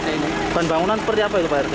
bahan bahan bangunan seperti apa itu pak rt